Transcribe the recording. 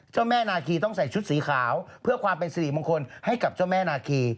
เจ้าแม่นาคีต้องใส่ชุดสีขาวเพื่อความเป็นสิริมงคลให้กับเจ้าแม่นาคี